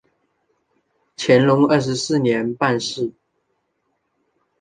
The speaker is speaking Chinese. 乾隆二十四年办事。